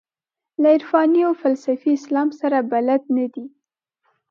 له عرفاني او فلسفي اسلام سره بلد نه دي.